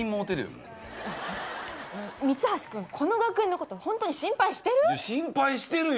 三橋君、この学園のこと本当心配してるよ。